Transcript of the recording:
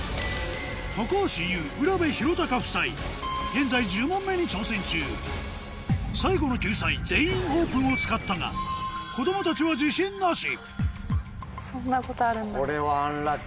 現在１０問目に挑戦中最後の救済「全員オープン」を使ったが子供たちは自信なしそんなことあるんだ。